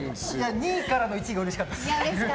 ２位からの１位がうれしかったです。